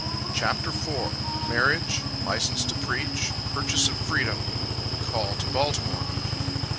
CHAPTER IV. Marriage License to Preach Purchase of Freedom A Call to Baltimore.